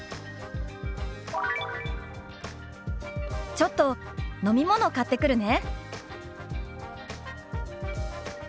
「ちょっと飲み物買ってくるね」。